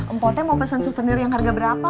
empo teh mau pesen souvenir yang harga berapa